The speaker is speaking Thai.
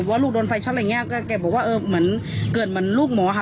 เขาได้ยินว่าสิ่งที่ก็เหมือนกับเกิดมันลูกหมอค่ะ